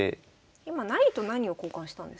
今何と何を交換したんですか？